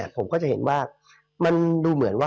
ผมก็จะเห็นว่า